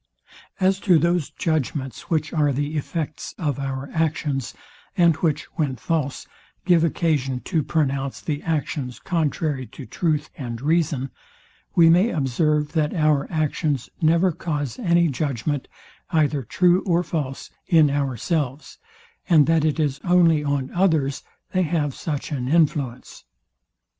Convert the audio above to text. As to those judgments which are the effects of our actions, and which, when false, give occasion to pronounce the actions contrary to truth and reason; we may observe, that our actions never cause any judgment, either true or false, in ourselves, and that it is only on others they have such an influence.